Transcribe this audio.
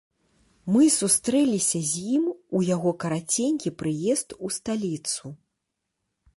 Мы сустрэліся з ім у яго караценькі прыезд у сталіцу.